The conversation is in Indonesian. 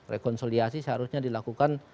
rekonsiliasi seharusnya dilakukan